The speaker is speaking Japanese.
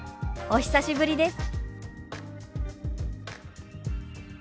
「お久しぶりです」。